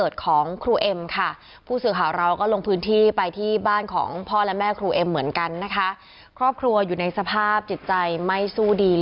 ใช่เราก็ลงพื้นที่ไปที่บ้านของพ่อและแม่ครูเอ็มเหมือนกันนะคะครอบครัวอยู่ในสภาพจิตใจไม่สู้